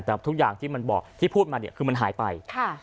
แต่ทุกอย่างที่มันบอกที่พูดมาเนี่ยคือมันหายไป